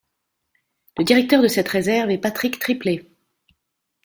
Le directeur de cette réserve est Patrick Triplet.